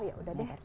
oh ya udah deh